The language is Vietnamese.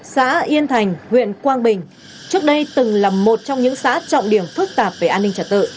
xã yên thành huyện quang bình trước đây từng là một trong những xã trọng điểm phức tạp về an ninh trật tự